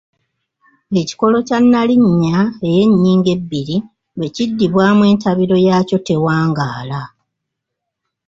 Ekikolo kya nnalinnya ey’ennyingo ebbiri bwe kiddibwamu entabiro yaakyo tewangaala.